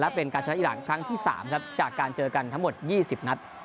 เป็นการชนะอิราณครั้งที่๓ครับจากการเจอกันทั้งหมด๒๐นัด